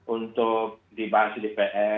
untuk dibahas di dpr